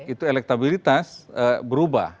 itu elektabilitas berubah